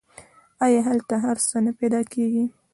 آیا هلته هر څه نه پیدا کیږي؟